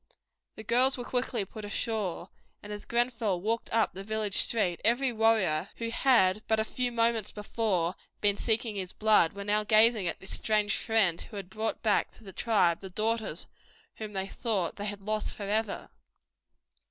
The girls were quickly put ashore, and as Grenfell walked up the village street every warrior who had but a few moments before been seeking his blood was now gazing at this strange friend who had brought back to the tribe the daughters whom they thought they had lost for ever.